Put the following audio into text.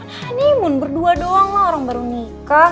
kan honeymoon berdua doang lah orang baru nikah